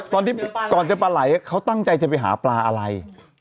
ตอนที่ก่อนจะปลาไหลเขาตั้งใจจะไปหาปลาอะไร